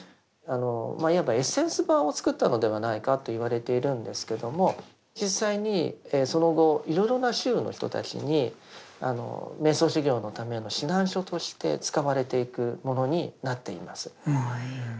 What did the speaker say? いわばエッセンス版を作ったのではないかと言われているんですけども実際にその後いろいろな宗の人たちに瞑想修行のための指南書として使われていくものになっています。